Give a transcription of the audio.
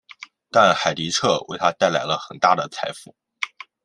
但海迪彻为他带来了很大的财富。